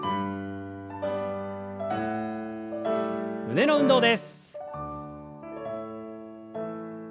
胸の運動です。